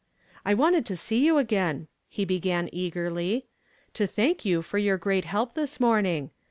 " I wanted to see you again," he began eagerly, " to thank you for your great help this morning.